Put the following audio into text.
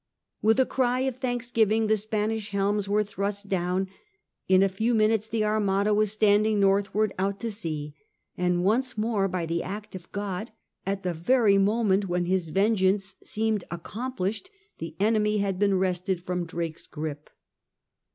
With a cry of thanksgiving, the Spanish helms were thrust down : in a few minutes the Armada was standing northward out to sea ; and once more by the act of God, at the very moment when his vengeance seemed accomplished, the enemy had been wrested from Drake's grip.